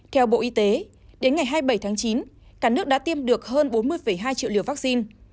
theo bộ y tế đến ngày hai mươi bảy tháng chín cả nước đã tiêm được hơn bốn mươi hai triệu liều vaccine